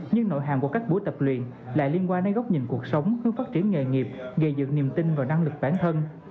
nhưng nội hàm của các buổi tập luyện lại liên quan đến góc nhìn cuộc sống hướng phát triển nghề nghiệp gây dựng niềm tin và năng lực bản thân